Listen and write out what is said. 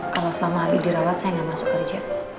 kalau selama abi dirawat saya nggak masuk kerja